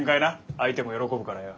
相手も喜ぶからよ。